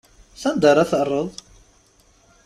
S anda ara terreḍ?